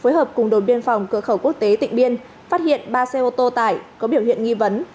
phối hợp cùng đồn biên phòng cửa khẩu quốc tế tịnh biên phát hiện ba xe ô tô tải có biểu hiện nghi vấn